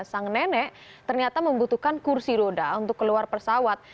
sang nenek ternyata membutuhkan kursi roda untuk keluar pesawat